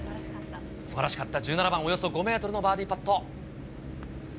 すばらしかった、１７番、およそ５メートルのバーディーパット。